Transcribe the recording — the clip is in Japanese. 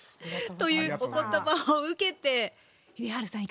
というお言葉を受けて秀治さん